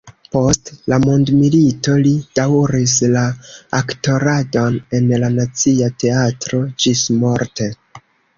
Post la mondomilito li daŭris la aktoradon en la Nacia Teatro ĝismorte.